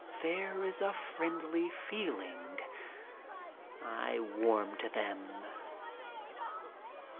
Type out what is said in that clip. There is a friendly feeling. I warm to them.